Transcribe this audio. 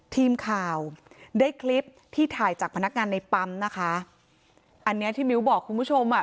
ทีมข่าวได้คลิปที่ถ่ายจากพนักงานในปั๊มนะคะอันเนี้ยที่มิ้วบอกคุณผู้ชมอ่ะ